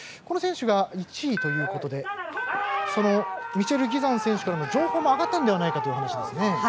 この選手が１位ということでミシェル・ギザンからの情報も上がったのではないかという話ですね。